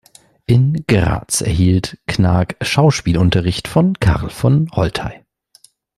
In Graz erhielt Knaack Schauspielunterricht von Karl von Holtei.